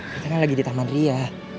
kita kan lagi di taman ria